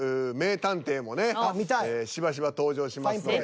しばしば登場しますので。